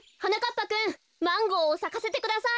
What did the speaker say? ぱくんマンゴーをさかせてください。